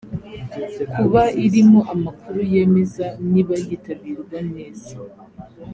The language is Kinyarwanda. kuba irimo amakuru yemeza niba yitabirwa neza